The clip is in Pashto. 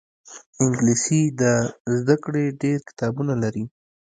انګلیسي د زده کړې ډېر کتابونه لري